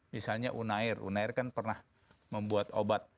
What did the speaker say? misalnya unair unair kan pernah membuat obat